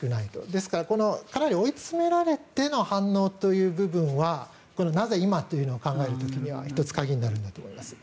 ですからかなり追い詰められての反応という部分はなぜ今というのを考える時には１つ鍵になるんだと思います。